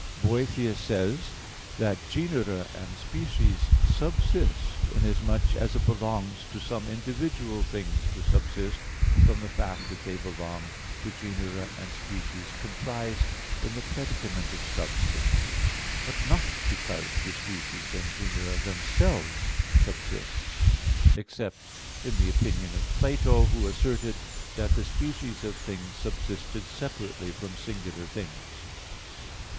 4: Boethius says that genera and species subsist, inasmuch as it belongs to some individual things to subsist, from the fact that they belong to genera and species comprised in the predicament of substance, but not because the species and genera themselves subsist; except in the opinion of Plato, who asserted that the species of things subsisted separately from singular things.